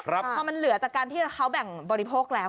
พอมันเหลือจากการที่เขาแบ่งบริโภคแล้ว